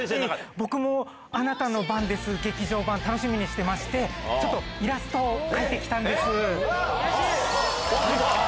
僕も、あなたの番です劇場版、楽しみにしてまして、ちょっとイラストを描いてきたんです。